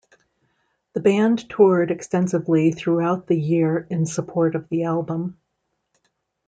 The band toured extensively throughout the year in support of the album.